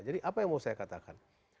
jadi apa yang mau saya katakan